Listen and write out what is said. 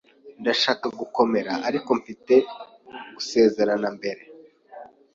Ndashaka gukomera, ariko mfite gusezerana mbere.